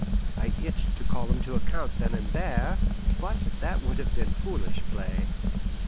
I itched to call him to account then and there, but that would have been foolish play.